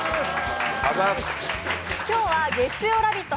今日は月曜「ラヴィット！」